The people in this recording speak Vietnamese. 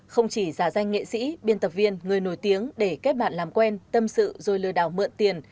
không chỉ giả danh nghệ sĩ biên tập viên người nổi tiếng để kết bạn làm quen tâm sự rồi lừa đảo mượn tiền